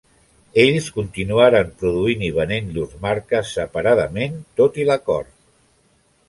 Ells continuaren produint i venent llurs marques separadament, tot i l'acord.